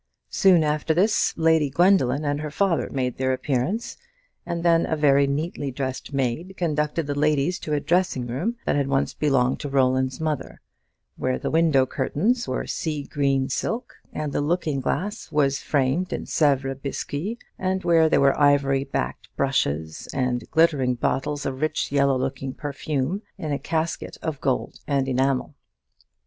Soon after this Lady Gwendoline and her father made their appearance, and then a very neatly dressed maid conducted the ladies to a dressing room that had once belonged to Roland's mother, where the window curtains were sea green silk, and the looking glass was framed in Sèvres biscuit, and where there were ivory backed brushes, and glittering bottles of rich yellow looking perfume in a casket of gold and enamel.